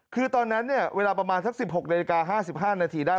คือตอนนั้นเนี่ยเวลาประมาณสัก๑๖นาฬิกา๕๕นาทีได้